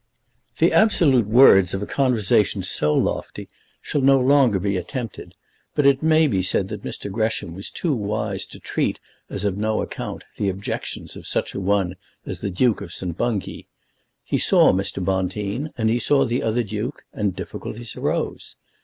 The absolute words of a conversation so lofty shall no longer be attempted, but it may be said that Mr. Gresham was too wise to treat as of no account the objections of such a one as the Duke of St. Bungay. He saw Mr. Bonteen, and he saw the other duke, and difficulties arose.